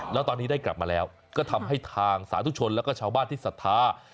แล้วตอนนี้ได้กลับมาแล้วก็ทำให้ทางสาธุชนแล้วก็ชาวบ้านที่ศรัทธา